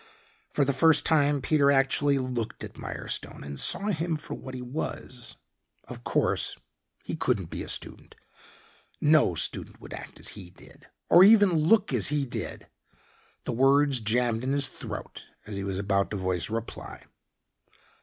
For the first time Peter actually looked at Mirestone and saw him for what he was. Of course, he couldn't be a student. No student would act as he did, or even look as he did. The words jammed in his throat as he was about to voice a reply.